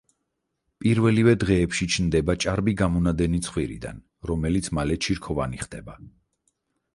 პირველივე დღეებში ჩნდება ჭარბი გამონადენი ცხვირიდან, რომელიც მალე ჩირქოვანი ხდება.